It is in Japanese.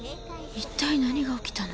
一体何が起きたの。